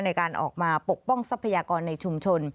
ในการออกมาปกป้องทรัพยากรในชุมชน